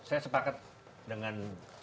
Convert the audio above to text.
saya sepakat dengan